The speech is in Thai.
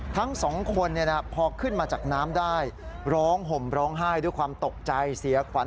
ทั้งสองคนพอขึ้นมาจากน้ำได้ร้องห่มร้องไห้ด้วยความตกใจเสียขวัญ